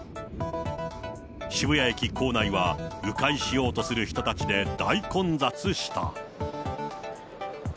渋谷駅構内は、う回しようとする人たちで大混雑した。